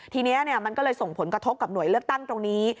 ทีนี้มันก็เลยส่งผลกระทบกับหน่วยเลือกตั้งตรงนี้